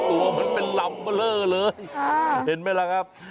เหมือนเป็นลำเบอร์เลอร์เลยเห็นไหมล่ะครับ